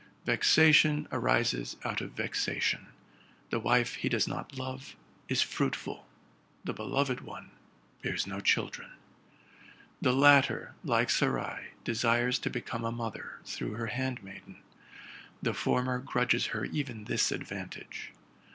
Vexation arises out of vexation. The wife he does not love is fruitful: the beloved one bears no children. The latter, like Sarai, desires to become a mother through her RELATING TO MY LIFE. 1145 handmaiden: the former grudges her even this advantage.